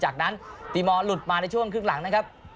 จากนั้นตีมอลหลุดมาในช่วงครึ่งหลังนะครับ